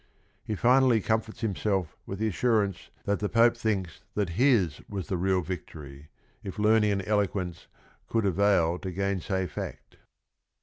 He finally comforts himself with the assurance that the Pope thinks that his was the real victory, if learning and eloquence "could avail to gainsay fact."